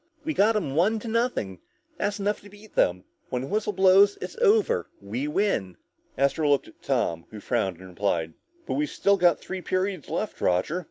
We got 'em one to nothing, that's enough to beat them. When the whistle blows and it's over, we win!" Astro looked at Tom, who frowned and replied, "But we've still got three periods left, Roger.